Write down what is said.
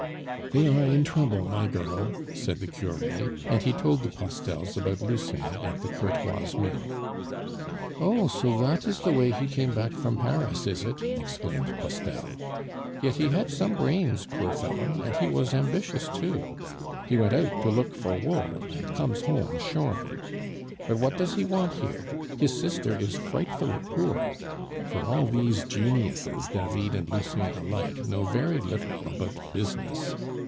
"They are in trouble, my girl," said the cure, and he told the Postels about Lucien at the Courtois' mill. "Oh! so that is the way he came back from Paris, is it?" exclaimed Postel. "Yet he had some brains, poor fellow, and he was ambitious, too. He went out to look for wool, and comes home shorn. But what does he want here? His sister is frightfully poor; for all these geniuses, David and Lucien alike, know very little about business.